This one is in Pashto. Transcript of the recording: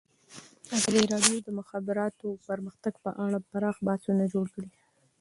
ازادي راډیو د د مخابراتو پرمختګ په اړه پراخ بحثونه جوړ کړي.